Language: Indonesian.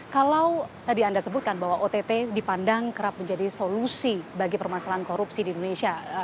kalau tadi anda sebutkan bahwa ott dipandang kerap menjadi solusi bagi permasalahan korupsi di indonesia